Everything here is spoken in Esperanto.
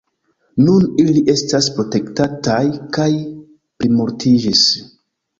Nun ili estas protektataj kaj plimultiĝis.